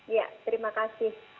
ya terima kasih